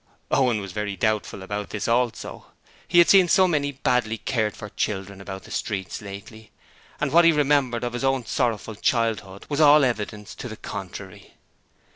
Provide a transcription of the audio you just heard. Owen was very doubtful about this also. He had seen so many badly cared for children about the streets lately, and what he remembered of his own sorrowful childhood was all evidence to the contrary.